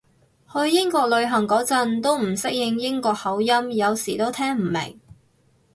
去英國旅行嗰陣都唔適應英國口音，有時都聽唔明